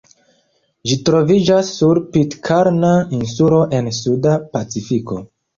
Ĝi troviĝas sur Pitkarna insulo en suda Pacifiko.